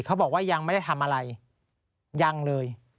เขาบอกว่ายังไม่ได้ทำอะไรยังเลย